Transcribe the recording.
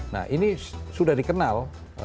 nah ini sudah dikenal